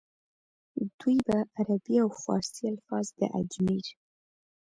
دوي به عربي او فارسي الفاظ د اجمېر